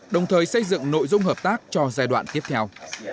đồng thời xây dựng nội dung hợp tác cho giai đoạn tiếp theo